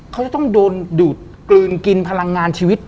เขาจะต้องโดนดูดกลืนกินพลังงานชีวิต